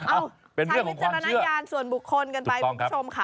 ใช้วิจารณญาณส่วนบุคคลกันไปคุณผู้ชมค่ะ